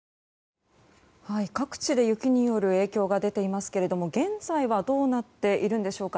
各地で雪による影響が出ていますけれども現在はどうなっているでしょうか。